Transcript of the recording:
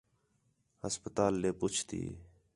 ہسپتال ݙے پُچھ تی